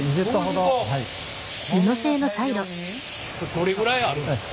どれぐらいあるんですか？